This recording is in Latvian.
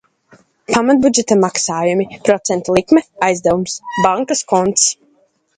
Pamatbudžeta maksājumi, procentu likme, aizdevums. Bankas konts.